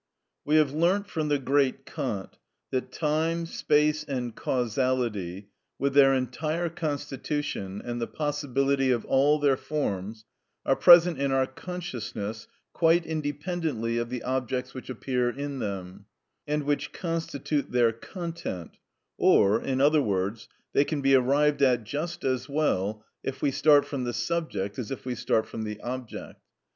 We have learnt from the great Kant that time, space, and causality, with their entire constitution, and the possibility of all their forms, are present in our consciousness quite independently of the objects which appear in them, and which constitute their content; or, in other words, they can be arrived at just as well if we start from the subject as if we start from the object.